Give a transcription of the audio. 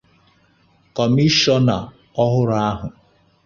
Kọmishọna ọhụrụ ahụ